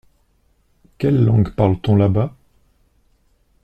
Quelle langue parle-t-on là-bas ?